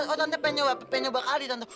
oh tante pengen coba kali tante